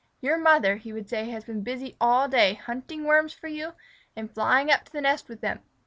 "Your mother," he would say, "has been busy all day, hunting Worms for you and flying up to the nest with them.